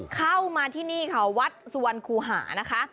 เข้ามาที่นี่ค่ะวัดสุวรรณคูหานะคะ